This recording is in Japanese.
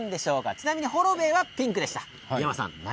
ちなみにホロベーはピンクでした。